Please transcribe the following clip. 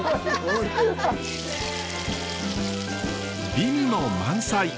美味も満載！